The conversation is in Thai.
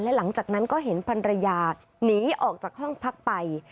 หลังจากนั้นก็เห็นพันรยาหนีออกจากห้องพักไป